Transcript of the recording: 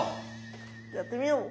やってみよう！